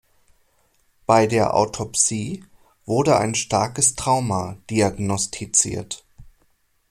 Bei der Autopsie wurde ein starkes Trauma diagnostiziert.